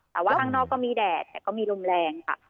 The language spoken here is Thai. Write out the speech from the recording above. แต่ว่าข้างนอกก็มีแดดแต่ก็มีลมแรงค่ะ